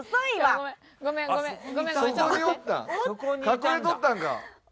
隠れとったんか。